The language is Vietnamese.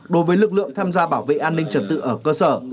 đối với lực lượng tham gia bảo vệ an ninh trật tự ở cơ sở